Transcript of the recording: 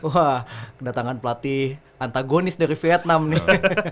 wah kedatangan pelatih antagonis dari vietnam nih